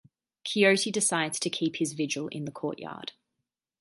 Quixote decides to keep his vigil in the courtyard.